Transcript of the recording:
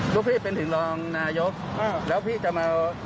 ครูฟิตเป็นถึงรองนายกอบตแล้วพี่จะมา